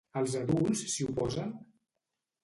Els adults s'hi oposen?